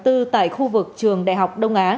tại khu vực trường đại học đông á